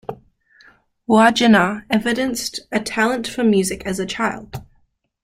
Wagenaar evidenced a talent for music as a child.